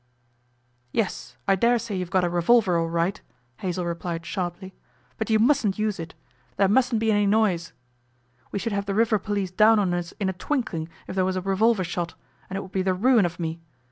'Yes, I dare say you've got a revolver all right,' Hazell replied sharply. 'But you mustn't use it. There mustn't be any noise. We should have the river police down on us in a twinkling if there was a revolver shot, and it would be the ruin of me.